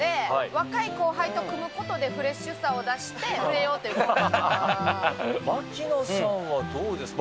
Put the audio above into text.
若い後輩と組むことでフレッシュさを出して、槙野さんはどうですか？